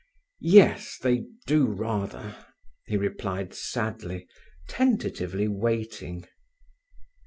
"Yes, they do rather," he replied sadly, tentatively waiting.